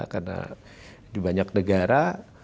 karena di banyak negara